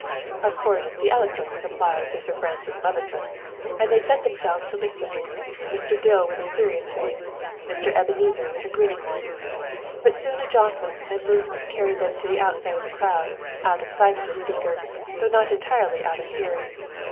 Of course "the eloquence" applied to Sir Francis Levison, and they set themselves to listen Mr. Dill with a serious face, Mr. Ebenezer with a grinning one. But soon a jostle and movement carried them to the outside of the crowd, out of sight of the speaker, though not entirely out of hearing.